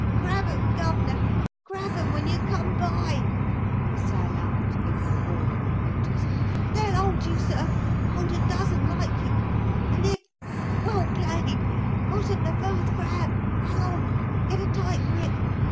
"Grab 'em, Gov'nor grab 'em when you come by!" he sang out over the roar of the waters. "They'll hold you, sir hold a dozen like you; and if Well played! Got 'em the first grab! Hang on! Get a tight grip!